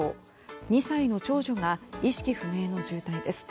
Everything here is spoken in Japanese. ２歳の長女が意識不明の重体です。